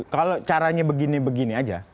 kalau caranya begini begini aja